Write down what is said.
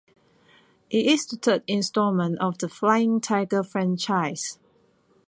It is the third installment of the "Flying Tiger" franchise.